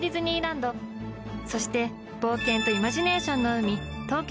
そして冒険とイマジネーションの海。